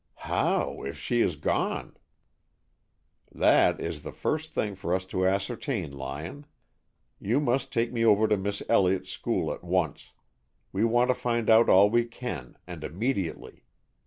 "How, if she is gone?" "That is the first thing for us to ascertain. Lyon, you must take me over to Miss Elliott's School at once. We want to find out all we can, and immediately.